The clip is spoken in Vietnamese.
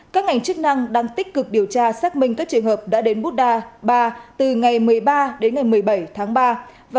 các ngành chức năng đang tích cực điều tra xác minh các trường hợp đã đến buddha ba từ ngày một mươi ba đến ngày một mươi bảy